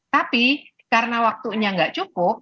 tapi karena waktunya nggak cukup